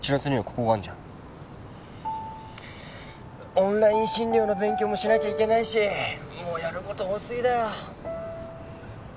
オンライン診療の勉強もしなきゃいけないしもうやる事多すぎだよ。